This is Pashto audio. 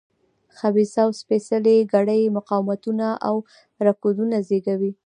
خبیثه او سپېڅلې کړۍ مقاومتونه او رکودونه زېږوي.